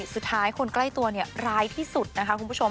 สุดท้ายคนใกล้ตัวร้ายที่สุดนะคะคุณผู้ชม